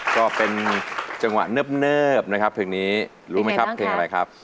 ก็เป็นจังหวะเนิบนะครับเพลงนี้รู้ไหมครับเพลงอะไรครับ